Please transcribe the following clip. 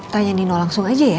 tanya nino langsung aja ya